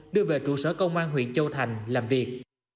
đưa về trụ sở công an huyện châu thành làm việc